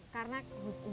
karena hujan itu